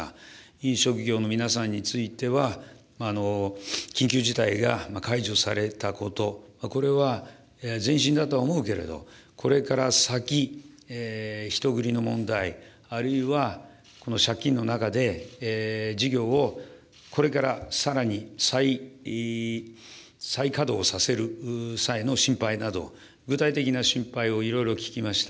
飲食業の皆さんについては、緊急事態が解除されたこと、これは、前進だとは思うけれど、これから先、人繰りの問題、あるいは、借金の中で、事業をこれからさらに再稼働させる際の心配など、具体的な心配をいろいろ聞きました。